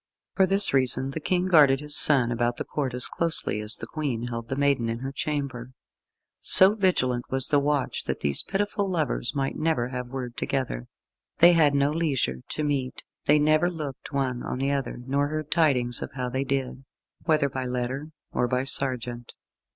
For this reason the King guarded his son about the Court as closely as the Queen held the maiden in her chamber. So vigilant was the watch that these pitiful lovers might never have word together. They had no leisure to meet; they never looked one on the other; nor heard tidings of how they did, whether by letter or by sergeant.